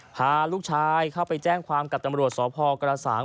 พาลูกชายเข้าไปแจ้งความกับตำรวจสพกระสาง